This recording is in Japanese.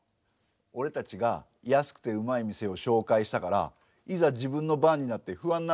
俺たちが安くてうまい店を紹介したからいざ自分の番になって不安になったんだろ。